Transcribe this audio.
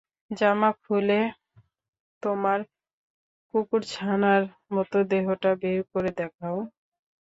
জামা খুলে তোমার কুকুরছানার মতো দেহটা বের করে দেখাও।